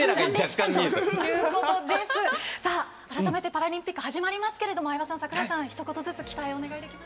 さあ、改めてパラリンピック始まりますが相葉さん、櫻井さんひと言ずつ期待をお願いします。